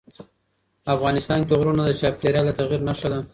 افغانستان کې غرونه د چاپېریال د تغیر نښه ده.